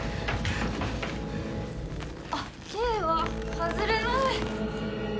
あっ景和外れない。